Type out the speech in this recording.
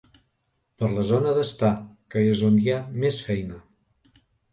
Per la zona d'estar, que és on hi ha més feina.